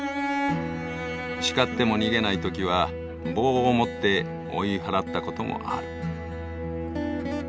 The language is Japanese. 叱っても逃げないときは棒を持って追い払ったこともある。